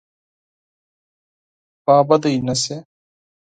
خپه نه شې.